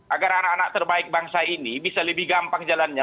agar anak anak terbaik bangsa ini bisa lebih gampang jalannya